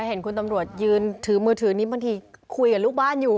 เห็นคุณตำรวจยืนถือมือถือนี้บางทีคุยกับลูกบ้านอยู่